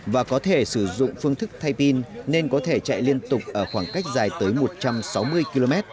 và có thể sử dụng phương thức thay pin nên có thể chạy liên tục ở khoảng cách dài tới một trăm sáu mươi km